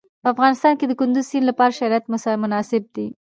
په افغانستان کې د کندز سیند لپاره شرایط مناسب دي.